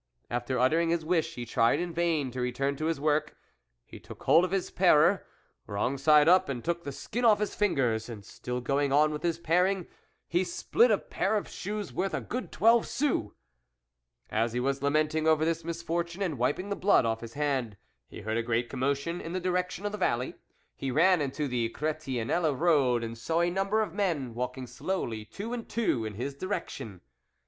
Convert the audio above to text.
After uttering his wish, he tried in vain to return to his THE WOLF LEADER 33 work, he took hold of his parer, wrong side up, and took the skin off his ringers, and still going on with his paring he spoilt a pair of shoes worth a good twelve sous. As he was lamenting over this mis fortune, and wiping the blood off his hand, he heard a great commotion in the direc tion of the valley ; he ran into the Chretiennelle road and saw a number of men walking slowly two and two in his direction.